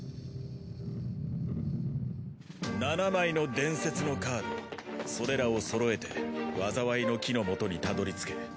７枚の伝説のカードそれらをそろえて災いの樹のもとにたどり着け。